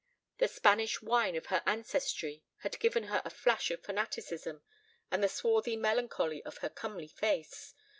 The Spanish wine of her ancestry had given her a flash of fanaticism and the swarthy melancholy of her comely face.